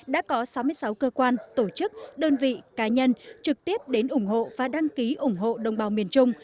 đã có sáu mươi sáu cơ quan tổ chức đơn vị cá nhân trực tiếp đến ủng hộ và đăng ký ủng hộ đồng bào miền trung